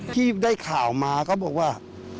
ที่ได้ข่าวมาเขาบอกว่า